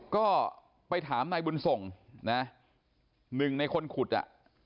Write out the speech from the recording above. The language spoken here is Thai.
ก็ไปถามนายบุญส่งนะหนึ่งในคนขุดอ่ะ